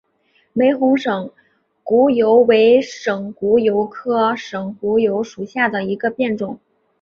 玫红省沽油为省沽油科省沽油属下的一个变种。